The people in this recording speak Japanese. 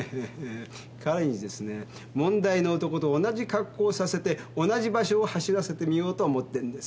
彼にですね問題の男と同じ格好をさせて同じ場所を走らせてみようと思ってんです。